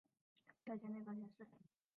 再迁内阁学士。